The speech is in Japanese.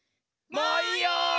もういいよ！